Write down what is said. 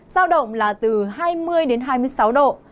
giao động là từ hai mươi đến hai mươi sáu độ